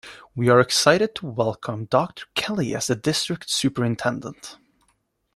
We are excited to welcome Doctor Kelly as the district's superintendent.